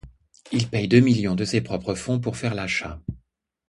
Il paye deux millions de ses propres fonds pour faire l'achat.